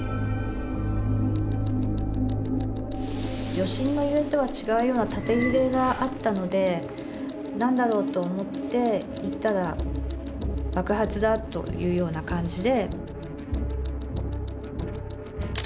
余震の揺れとは違うような縦揺れがあったので何だろうと思って行ったら爆発だというような感じで。